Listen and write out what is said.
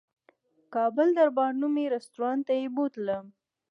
کابل دربار نومي رستورانت ته یې بوتلم.